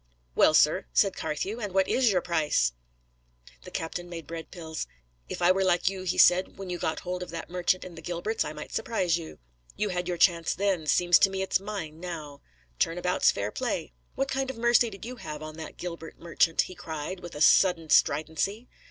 "Well, sir," said Carthew, "and what IS your price?" The captain made bread pills. "If I were like you," he said, "when you got hold of that merchant in the Gilberts, I might surprise you. You had your chance then; seems to me it's mine now. Turn about's fair play. What kind of mercy did you have on that Gilbert merchant?" he cried, with a sudden stridency.